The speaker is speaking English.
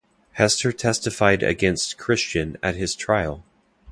Hester testified against Christian at his trial.